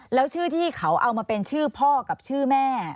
แล้วชื่อที่เขาเอามาเป็นชื่อพ่อกับชื่อแม่